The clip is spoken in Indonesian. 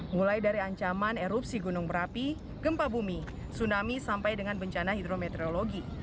mulai dari ancaman erupsi gunung berapi gempa bumi tsunami sampai dengan bencana hidrometeorologi